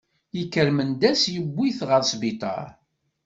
Yekker Mendas yewwi-t ɣer sbiṭar.